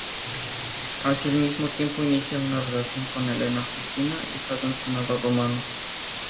Al mismo tiempo, inicia una relación con Helena Justina, hija de un senador romano.